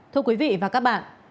thưa quý vị và các bạn